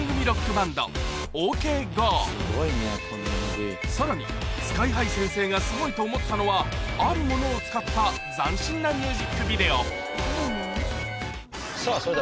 ロックバンド「ＯＫＧｏ」さらにＳＫＹ−ＨＩ先生がすごいと思ったのはあるものを使った斬新なミュージックビデオさぁ